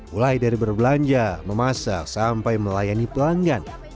mulai dari berbelanja memasak sampai melayani pelanggan